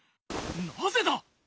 なぜだ！？